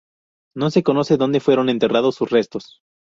No se conoce dónde fueron enterrados sus restos.